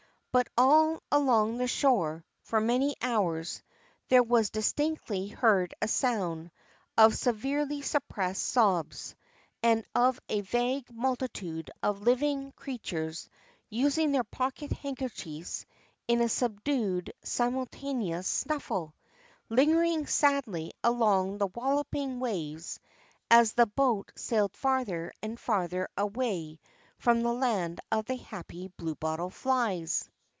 But all along the shore, for many hours, there was distinctly heard a sound of severely suppressed sobs, and of a vague multitude of living creatures using their pocket handkerchiefs in a subdued simultaneous snuffle, lingering sadly along the walloping waves as the boat sailed farther and farther away from the land of the happy bluebottle flies.